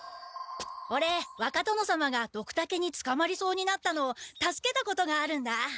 オレ若殿様がドクタケにつかまりそうになったのを助けたことがあるんだ。